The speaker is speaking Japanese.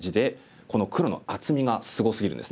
この黒の厚みがすごすぎるんですね。